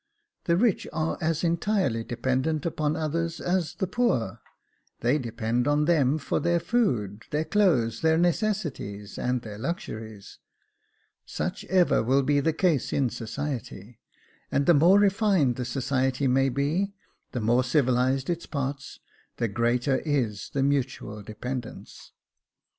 The rich are as entirely dependent upon others as the poor ; they depend upon them for their food, their clothes, their necessities, and their luxuries. Such ever will be the case in society, and the more refined the society may be — the more civilised its parts — the greater is the mutual dependence.